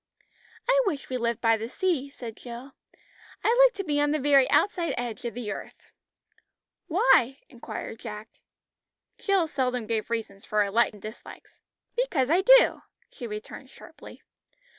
"I wish we lived by the sea," said Jill. "I like to be on the very outside edge of the earth." "Why?" inquired Jack. Jill seldom gave reasons for her likes and dislikes. "Because I do," she returned sharply.